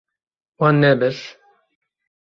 Wan nebir.